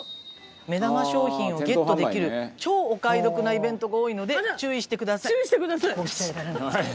目玉商品をゲットできる超お買い得なイベントが多いので注意してください。